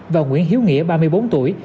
và nguyễn hiếu nghĩa ba mươi bốn tuổi